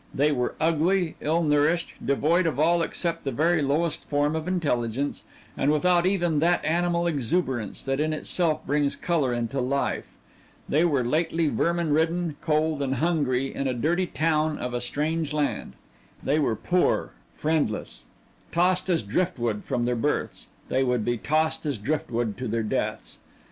They were ugly, ill nourished, devoid of all except the very lowest form of intelligence, and without even that animal exuberance that in itself brings color into life; they were lately vermin ridden, cold, and hungry in a dirty town of a strange land; they were poor, friendless; tossed as driftwood from their births, they would be tossed as driftwood to their deaths.